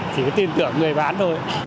chỉ có tin tưởng người bán thôi